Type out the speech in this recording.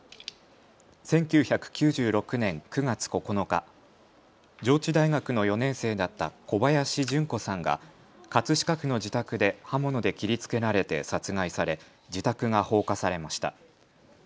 １９９６年９月９日、上智大学の４年生だった小林順子さんが葛飾区の自宅で刃物で切りつけられて殺害され自宅が放火されました。